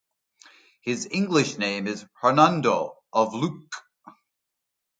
His English name is Hernando "of" Luque.